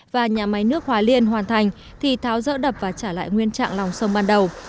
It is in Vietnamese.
và nhà máy nước hòa liên hoàn thành thì tháo dỡ đập và trả lại nguyên trạng lòng sông ban đầu